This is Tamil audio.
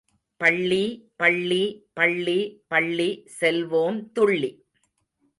பள்ளி, பள்ளி, பள்ளி பள்ளி செல்வோம் துள்ளி.